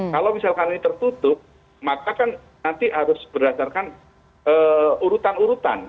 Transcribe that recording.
kalau misalkan ini tertutup maka kan nanti harus berdasarkan urutan urutan